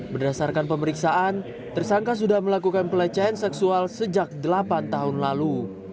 berdasarkan pemeriksaan tersangka sudah melakukan pelecehan seksual sejak delapan tahun lalu